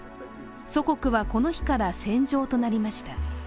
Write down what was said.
祖国はこの日から戦場となりました。